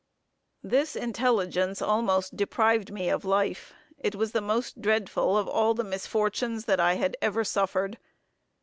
This intelligence almost deprived me of life; it was the most dreadful of all the misfortunes that I had ever suffered.